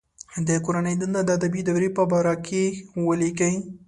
د کورنۍ دنده د ادبي دورې په باره کې ولیکئ.